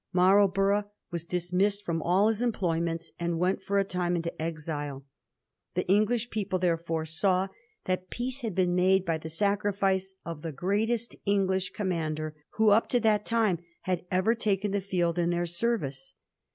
Marlborough was dismissed fix)m all his employments, and went for a time into exile. The English people, therefore, saw that peace had been made by the sacrifice of the greatest English commander who, up to that time, had ever taken the field in their service.